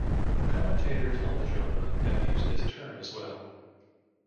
Commentators on the genre have used this term as well.